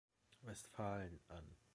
Westfalen an.